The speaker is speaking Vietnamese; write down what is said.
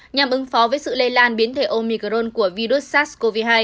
nhằm ứng phó với sự lây lan biến thể omicron của virus sars cov hai